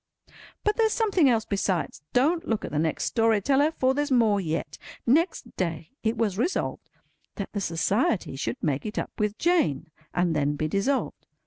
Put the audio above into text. But there's something else besides. Don't look at the next story teller, for there's more yet. Next day, it was resolved that the Society should make it up with Jane, and then be dissolved.